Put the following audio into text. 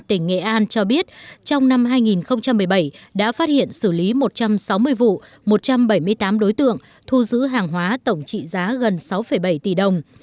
tỉnh nghệ an cho biết trong năm hai nghìn một mươi bảy đã phát hiện xử lý một trăm sáu mươi vụ một trăm bảy mươi tám đối tượng thu giữ hàng hóa tổng trị giá gần sáu bảy tỷ đồng